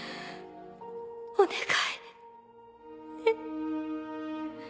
お願いね。